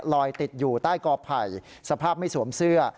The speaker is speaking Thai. ลอยติดอยู่ใต้กอไผ่สภาพไม่สวมเสื้อ